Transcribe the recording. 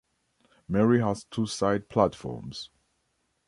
Merri has two side platforms.